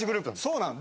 そうなの。